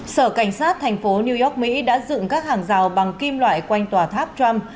sở cảnh sát thành phố new york mỹ đã dựng các hàng rào bằng kim loại quanh tòa tháp trump